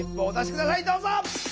どうぞ！